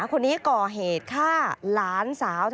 คนนี้ก่อเหตุฆ่าหลานสาว